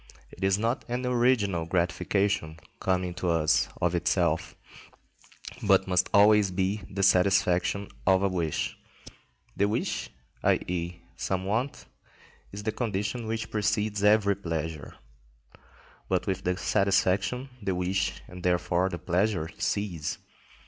It is not an original gratification coming to us of itself, but must always be the satisfaction of a wish. The wish, i.e., some want, is the condition which precedes every pleasure. But with the satisfaction the wish and therefore the pleasure cease.